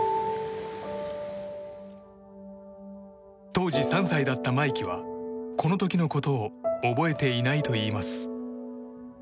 当時３歳だった真生騎はこの時のことを覚えていないといいます。